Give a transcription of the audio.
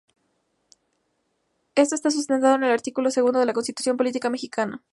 Esto está sustentado en el artículo segundo de la Constitución política mexicana.